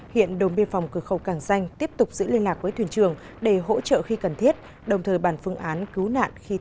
hiện đồng biên phòng cửa khẩu càng danh tiếp tục giữ liên lạc với thuyền trường để hỗ trợ khi cần thiết đồng thời bàn phương án cứu nạn khi thời tiết thuận lợi hơn